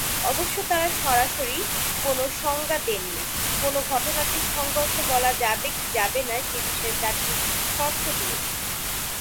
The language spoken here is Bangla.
অবশ্য তারা সরাসরি কোন সংজ্ঞা দেননি, কোন ঘটনাকে সংঘর্ষ বলা যাবে কি যাবে না সে বিষয়ে চারটি শর্ত দিয়েছেন।